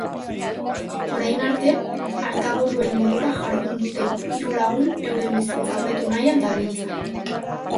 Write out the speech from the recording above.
Orain arte artaburuen modura jardun duten hiru lagun euren bizitza hobetu nahian dabiltza.